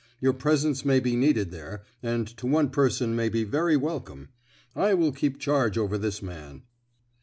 Your presence may be needed there, and to one person may be very welcome. I will keep charge over this man."